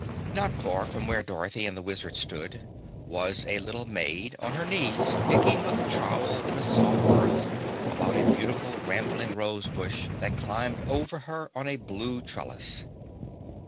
Not far from where Dorothy and the Wizard stood, was a little maid, on her knees, digging with a trowel in the soft earth about a beautiful rambling rose bush that climbed above her on a blue trellis.